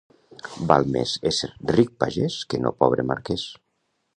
Val més ésser ric pagès, que no pobre marquès.